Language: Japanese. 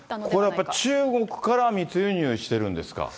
これやっぱり、中国から密輸入してるんですか。